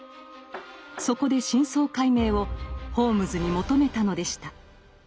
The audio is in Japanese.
そこで真相解明をホームズに求めたのでした。